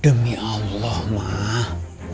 demi allah mah